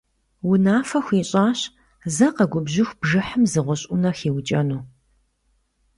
Унафэ хуищӀащ зэ къэгубжьыху бжыхьым зы гъущӀ Ӏунэ хиукӀэну.